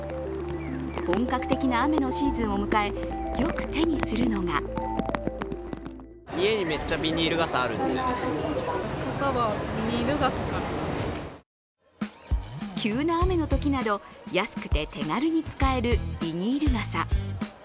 本格的な雨のシーズンを迎え、よく手にするのが急な雨のときなど安くて手軽に使えるビニール傘。